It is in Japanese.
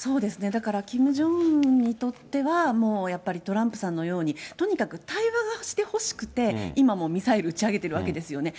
だからキム・ジョンウンにとっては、もうやっぱりトランプさんのように、とにかく対話をしてほしくて、今もミサイル撃ち上げてるわけですよね。